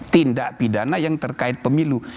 tindak pidana yang terkait pemilu